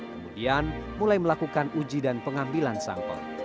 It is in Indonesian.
kemudian mulai melakukan uji dan pengambilan sampel